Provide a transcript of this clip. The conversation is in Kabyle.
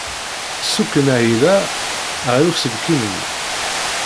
Ssukken ahil-a ɣer uselkim-nnek.